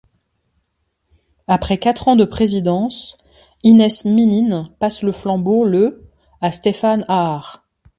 Après quatre ans de présidence, Inés Minin passe le flambeau le à Stéphane Haar.